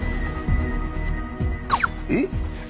えっ！